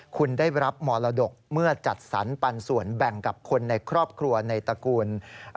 คุณได้รับมรดกเมื่อจัดสรรปันส่วนแบ่งกับคนในครอบครัวในตระกูล